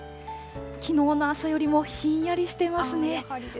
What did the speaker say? きのうの朝よりもひんやりしてますね。